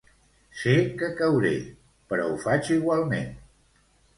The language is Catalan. Sé que cauré, però ho faig igualment.